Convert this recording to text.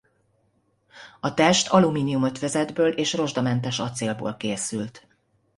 A test alumínium ötvözetből és rozsdamentes acélból készült.